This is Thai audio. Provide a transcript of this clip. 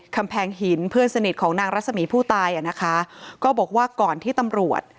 กำแพงหินเพื่อนสนิทของนางรัศมีผู้ตายอ่ะนะคะก็บอกว่าก่อนที่ตำรวจ